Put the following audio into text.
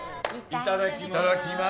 いただきます。